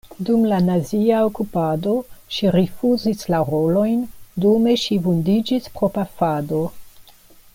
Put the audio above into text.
Dum la nazia okupado ŝi rifuzis la rolojn, dume ŝi vundiĝis pro pafado.